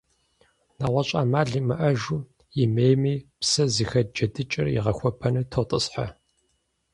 НэгъуэщӀ Ӏэмал имыӀэжу, имейми, псэ зыхэт джэдыкӀэр игъэхуэбэну тотӀысхьэ.